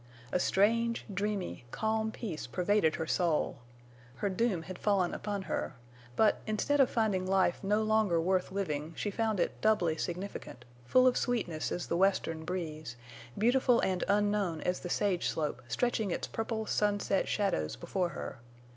A strange, dreamy, calm peace pervaded her soul. Her doom had fallen upon her, but, instead of finding life no longer worth living she found it doubly significant, full of sweetness as the western breeze, beautiful and unknown as the sage slope stretching its purple sunset shadows before her.